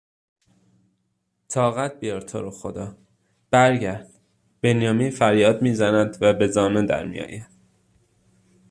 طاقت بیار تورو خدا برگرد بنیامین فریاد میزند و به زانو درمیآید